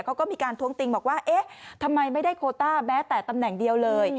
เขาก็มีการท้วงติงบอกว่าเอ๊ะทำไมไม่ได้โคต้าแม้แต่ตำแหน่งเดียวเลย